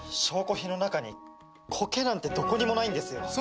証拠品の中にコケなんてどこにもないんですよ。